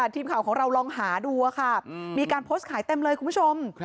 ทีมข่าวของเราลองหาดูมีการโพสต์ขายเต็มเลยคุณผู้ชม